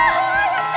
やった！